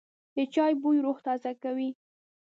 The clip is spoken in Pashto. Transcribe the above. د چای بوی روح تازه کوي.